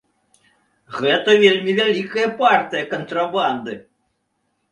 Гэта вельмі вялікая партыя кантрабанды.